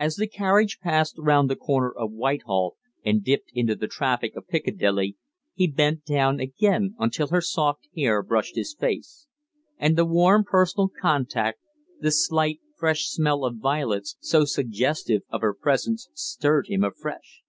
As the carriage passed round the corner of Whitehall and dipped into the traffic of Piccadilly he bent down again until her soft hair brushed his face; and the warm personal contact, the slight, fresh smell of violets so suggestive of her presence, stirred' him afresh.